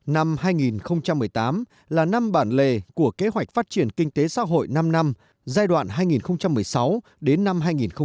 năm hai nghìn một mươi tám là năm bản lề của kế hoạch phát triển kinh tế xã hội năm năm giai đoạn hai nghìn một mươi sáu đến năm hai nghìn hai mươi